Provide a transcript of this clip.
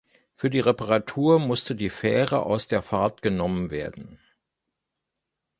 Für die Reparatur musste die Fähre aus der Fahrt genommen werden.